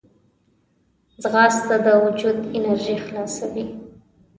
ځغاسته د وجود انرژي خلاصوي